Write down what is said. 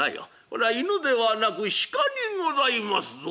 これは犬ではなく鹿にございますぞ」。